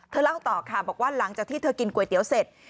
เล่าต่อค่ะบอกว่าหลังจากที่เธอกินก๋วยเตี๋ยวเสร็จ